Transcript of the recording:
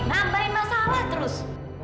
nambahin masalah terus